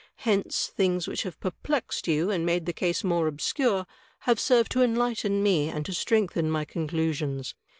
Hence things which have perplexed you and made the case more obscure have served to enlighten me and to strengthen my conclusions.